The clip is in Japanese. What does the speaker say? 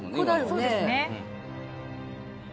そうですね。